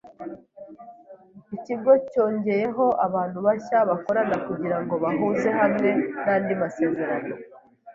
Ikigo cyongeyeho abantu bashya bakorana kugirango bahuze hamwe nandi masezerano.